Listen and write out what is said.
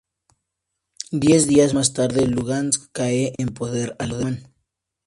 Diez días más tarde Lugansk cae en poder alemán.